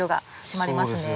締まりますね。